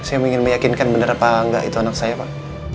saya ingin meyakinkan benar apa enggak itu anak saya pak